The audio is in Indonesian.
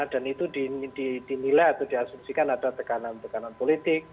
dan itu dinilai atau diasumsikan ada tekanan tekanan politik